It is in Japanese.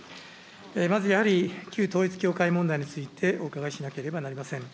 まずやはり、旧統一教会問題についてお伺いしなければなりません。